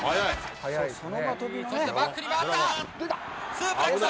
そしてバックに変わった！